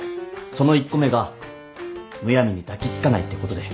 その１個目がむやみに抱き付かないってことで。